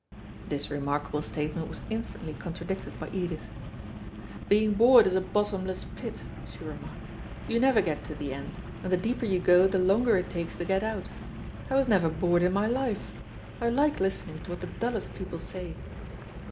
This remarkable statement was instantly contradicted by Edith. "Being bored is a bottomless pit," she remarked. "You never get to the end, and the deeper you go the longer it takes to get out. I was never bored in my life. I like listening to what the dullest people say."